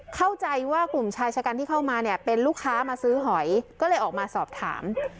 เข้าใจว่ากลุ่มชายชะกันที่เข้ามาเนี่ยเป็นลูกค้ามาซื้อหอยก็เลยออกมาสอบถาม